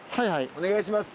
お願いします。